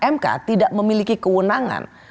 mk tidak memiliki kewenangan